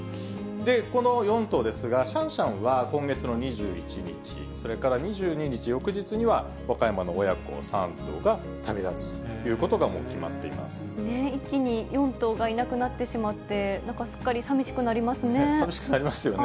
この４頭ですが、シャンシャンは今月の２１日、それから２２日、翌日には和歌山の親子３頭が旅立つということがもう決まっていま一気に４頭がいなくなってしまって、なんかすっかりさみしくなりますね。